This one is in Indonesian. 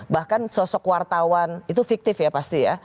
bahkan sosok wartawan itu fiktif ya pasti ya